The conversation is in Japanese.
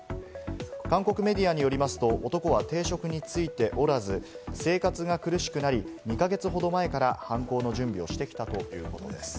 韓国メディアによりますと、男は定職に就いておらず、生活が苦しくなり、２か月ほど前から犯行の準備をしてきたということです。